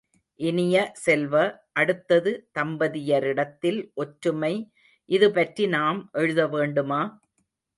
இனிய செல்வ, அடுத்தது தம்பதியரிடத்தில் ஒற்றுமை இதுபற்றி நாம் எழுத வேண்டுமா?